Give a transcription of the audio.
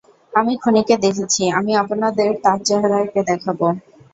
আমি খুনিকে দেখেছি আমি আপনাদের তার চেহারা এঁকে দেখাবো।